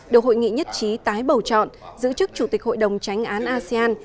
đầu hội nghị nhất trí tái bầu chọn giữ chức chủ tịch hội đồng tránh án asean